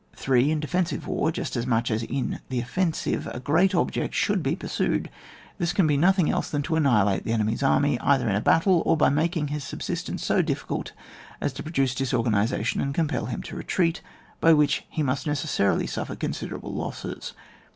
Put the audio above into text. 3. In defensive war just as much as in the offensive, a great object should be pursued. This can be nothing else than to annihilate the enemy's army, either in a battle, or by makmg his sub sistence so dif&cult as to produce dis organisation and compel him to retreat, by which he must necessarily suffer con siderable losses.